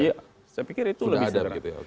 ya saya pikir itu lebih dari